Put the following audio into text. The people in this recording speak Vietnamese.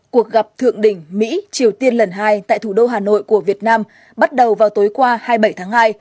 cuộc gặp thượng đỉnh mỹ triều tiên lần hai tại thủ đô hà nội của việt nam bắt đầu vào tối qua hai mươi bảy tháng hai